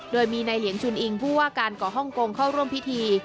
โดยมีนายเหลียงชุนอิงผู้ว่าการก่อฮ่องกงเข้าร่วมพิธี